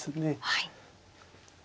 はい。